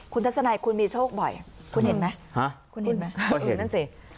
คุณทัศนัยคุณมีโชคบ่อยคุณเห็นไหมคุณเห็นไหมนั่นสิ